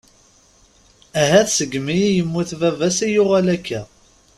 Ahat segmi i yemmut baba-s i yuɣal akka.